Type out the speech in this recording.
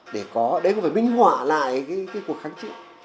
để có đấy có phải minh họa lại cái cuộc kháng trí